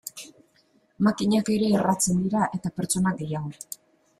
Makinak ere erratzen dira, eta pertsonak gehiago.